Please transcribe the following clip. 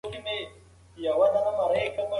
تاسو ولې په جماعت کې د ګډون هڅه نه کوئ؟